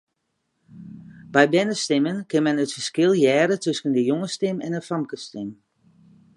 By bernestimmen kin men min it ferskil hearre tusken in jongesstim en in famkesstim.